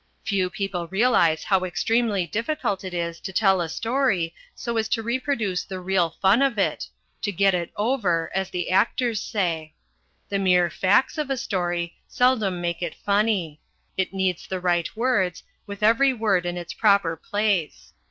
Few people realise how extremely difficult it is to tell a story so as to reproduce the real fun of it to "get it over" as the actors say. The mere "facts" of a story seldom make it funny. It needs the right words, with every word in its proper place.